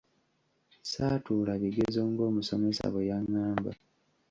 Ssaatuula bigezo ng’omusomesa bwe yangamba